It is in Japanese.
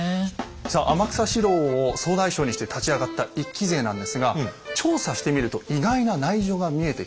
さあ天草四郎を総大将にして立ち上がった一揆勢なんですが調査してみると意外な内情が見えてきたんです。